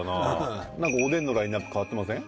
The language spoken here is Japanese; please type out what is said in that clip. なんかおでんのラインアップ変わってません？